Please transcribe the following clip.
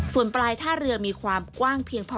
ส่วนปลายท่าเรือมีความกว้างเพียงพอ